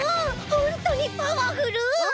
ホントにパワフル！